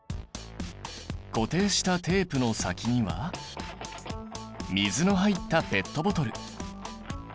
固定したテープの先には水の入ったペットボトル。